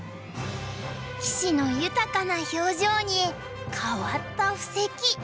棋士の豊かな表情に変わった布石。